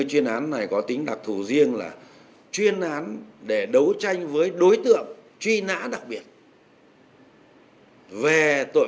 chuyên án này có tính đặc thù riêng là chuyên án để đấu tranh với đối tượng truy nã đặc biệt về tội